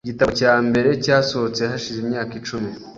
Igitabo cya mbere cyasohotse hashize imyaka icumi .